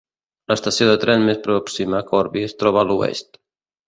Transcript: L'estació de tren més pròxima, Corby, es troba a l'oest.